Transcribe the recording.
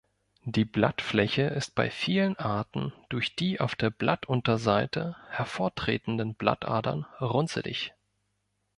Die Blattfläche ist bei vielen Arten durch die auf der Blattunterseite hervortretenden Blattadern runzelig.